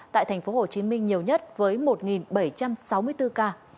tại thành phố hồ chí minh nhiều nhất với một bảy trăm sáu mươi bốn ca